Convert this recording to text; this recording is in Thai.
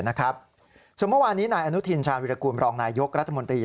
ส่วนเมื่อวานนี้นายอนุทินชาญวิรากูลรองนายยกรัฐมนตรี